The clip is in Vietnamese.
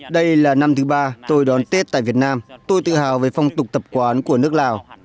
đây là năm thứ ba tôi đón tết tại việt nam tôi tự hào về phong tục tập quán của nước lào